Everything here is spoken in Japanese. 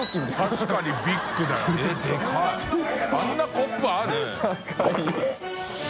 あんなコップある？